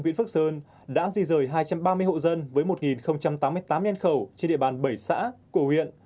viện phước sơn đã di rời hai trăm ba mươi hộ dân với một tám mươi tám nhan khẩu trên địa bàn bảy xã của huyện